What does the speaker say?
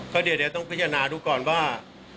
ก็เดี๋ยวต้องพิจารณาดูก่อนว่า